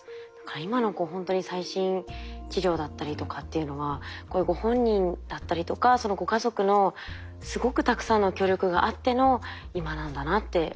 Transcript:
今のほんとに最新治療だったりとかっていうのはこういうご本人だったりとかそのご家族のすごくたくさんの協力があっての今なんだなって思いますね。